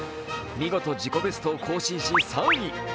見事自己ベストを更新して３位。